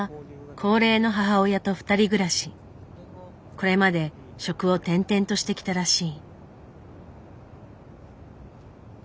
これまで職を転々としてきたらしい。